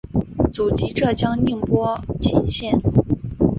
祖籍浙江宁波鄞县。